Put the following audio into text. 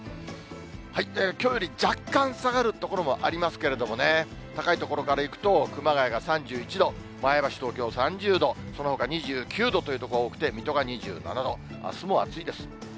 きょうより若干下がる所もありますけれどもね、高い所からいくと、熊谷が３１度、前橋、東京３０度、そのほか２９度という所が多くて、水戸が２７度、あすも暑いです。